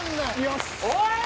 おい！